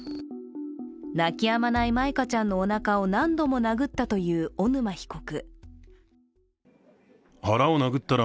泣き止まない舞香ちゃんのおなかを何度も殴ったという小沼被告。